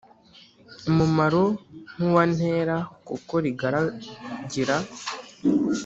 umumaro nk’uwa ntera kuko rigaragira